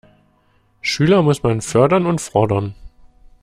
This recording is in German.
Schüler muss man fördern und fordern.